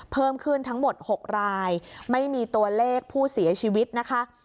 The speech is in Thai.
เพิ่มขึ้นทั้งหมด๖รายไม่มีตัวเลขผู้เสียชีวิตนะคะ